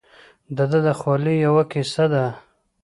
دده د خولې یوه کیسه ده.